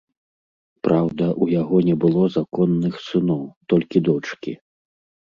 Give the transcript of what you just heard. Праўда, у яго не было законных сыноў, толькі дочкі.